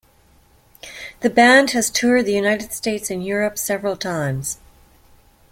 The band has toured the United States and Europe several times.